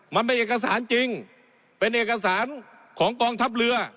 มันเป็นเอกสารจริงเป็นเอกสารของกองทัพเรือ